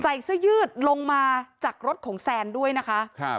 ใส่เสื้อยืดลงมาจากรถของแซนด้วยนะคะครับ